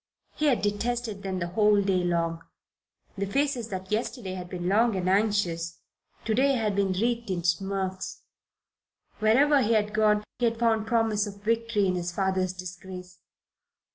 He had detested them the whole day long. The faces that yesterday had been long and anxious to day had been wreathed in smirks. Wherever he had gone he had found promise of victory in his father's disgrace.